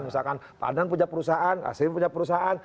misalkan pak adnan punya perusahaan saya punya perusahaan